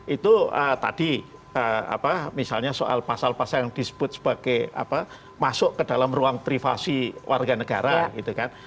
itu tadi apa misalnya soal pasal pasal yang disebut sebagai apa masuk ke dalam ruang privasi warga negara gitu kan